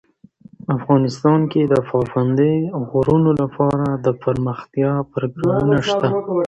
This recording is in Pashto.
افغانستان کې د پابندي غرونو لپاره دپرمختیا پروګرامونه شته.